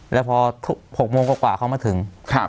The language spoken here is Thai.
แล้วพอ๖โมงกว่าเขามาถึง